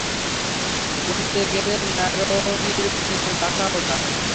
বলতে গেলে ম্যারোনির নিজের বাসা ওটা।